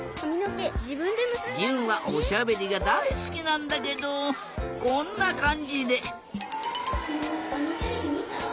じゅんはおしゃべりがだいすきなんだけどこんなかんじで。